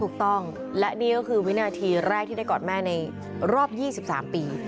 ถูกต้องและนี่ก็คือวินาทีแรกที่ได้กอดแม่ในรอบ๒๓ปี